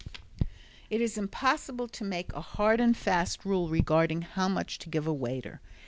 It is impossible to make a hard and fast rule regarding how much to give a waiter.